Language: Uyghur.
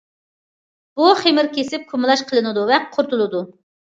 بۇ خېمىر كېسىپ كۇمىلاچ قىلىنىدۇ ۋە قۇرۇتۇلىدۇ.